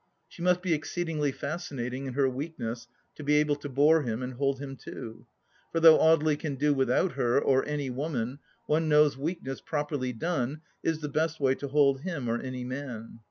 She must be exceedingly fascinating in her weak ness to be able to bore him and hold him too. For though Audely can do without her, or any woman, one knows weak ness, properly done, is the best way to hold him or any man.